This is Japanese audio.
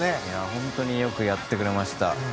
本当によくやってくれました。